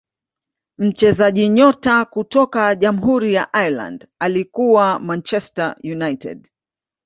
mchezaji nyota kutoka jamhuri ya ireland alikuwa manchester united